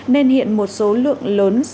nên hiện một số lượng lớn